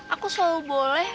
aku selalu boleh